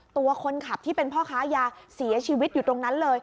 ตัวคนขับที่เป็นพ่อค้ายาเสียชีวิตอยู่ตรงนั้นเลย